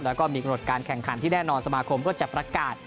แล้วก็มีกำหนดการแข่งขันที่แน่นอนสมาคมก็จะประกาศ